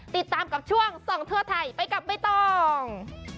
ติดตามกับช่วงส่องทั่วไทยไปกับใบตอง